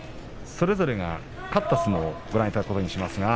それぞれが勝った相撲をご覧いただくことにします。